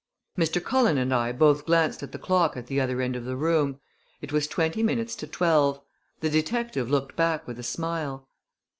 Mr. Cullen and I both glanced at the clock at the other end of the room. It was twenty minutes to twelve. The detective looked back with a smile.